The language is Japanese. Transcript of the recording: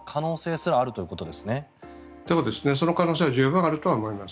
そうですね、その可能性は十分あると思います。